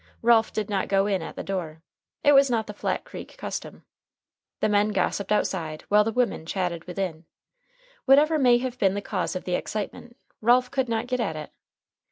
Ralph did not go in at the door. It was not the Flat Creek custom. The men gossiped outside, while the women chatted within. Whatever may have been the cause of the excitement, Ralph could not get at it.